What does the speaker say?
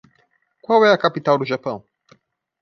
Qual é a capital do Japão?